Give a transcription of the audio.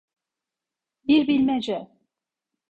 Bir bilmece.